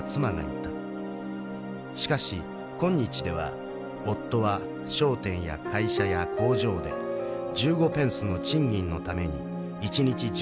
しかし今日では夫は商店や会社や工場で１５ペンスの賃金のために一日１０時間も働いている。